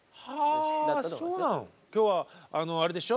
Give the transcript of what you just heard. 今日はあれでしょ